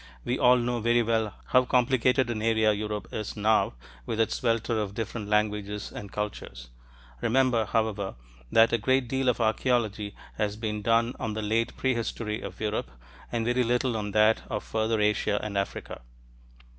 We all know very well how complicated an area Europe is now, with its welter of different languages and cultures. Remember, however, that a great deal of archeology has been done on the late prehistory of Europe, and very little on that of further Asia and Africa.